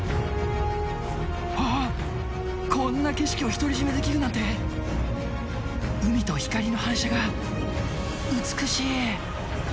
ああ、こんな景色を独り占めできるなんて、海と光の反射が美しい。